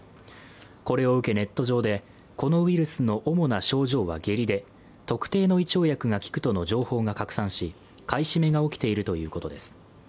これを受け、ネット上で、このウイルスの主な症状は下痢で特定の胃腸薬が効くとの情報が拡散し買い占めが起きているということです。